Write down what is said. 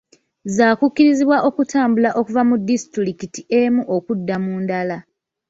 Zaakukkirizibwa okutambula okuva mu disitulikiti emu okudda mu ndala.